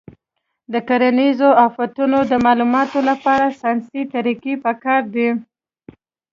د کرنیزو آفتونو د معلومولو لپاره ساینسي طریقې پکار دي.